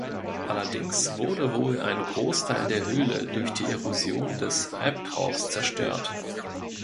Allerdings wurde wohl ein Großteil der Höhle durch die Erosion des Albtraufs zerstört.